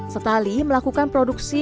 setali melakukan produksi